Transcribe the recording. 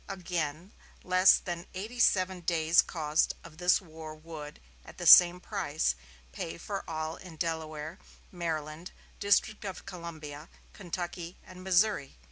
Again, less than eighty seven days' cost of this war would, at the same price, pay for all in Delaware, Maryland, District of Columbia, Kentucky and Missouri....